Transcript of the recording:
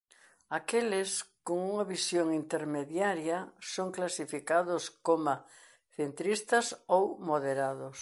Aqueles cunha visión intermediaria son clasificados coma centristas ou moderados.